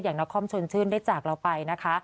อย่างนักคอมชนชื่นได้จากเราไปนะคะ